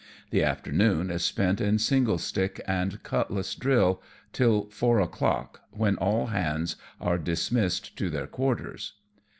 The afternoon is spent in single stick and cutlass drill till four o'clock, when all hands are dismissed to their quarters.